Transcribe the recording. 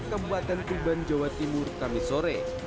kebuatan tugban jawa timur kami sore